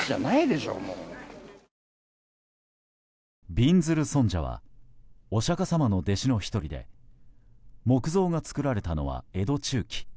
びんずる尊者はお釈迦様の弟子の１人で木像が作られたのは江戸中期。